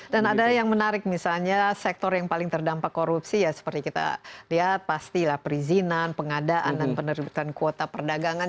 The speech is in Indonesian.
dan ada yang menarik misalnya sektor yang paling terdampak korupsi ya seperti kita lihat pastilah perizinan pengadaan dan penerbitan kuota perdagangan